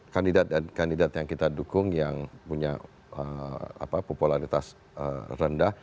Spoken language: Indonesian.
kandidat kandidat yang kita dukung yang punya popularitas rendah